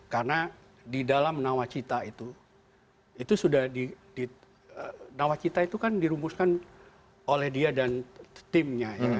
karena di dalam nawacita itu itu sudah di nawacita itu kan dirumuskan oleh dia dan timnya ya